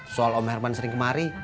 soal om herman sering kemari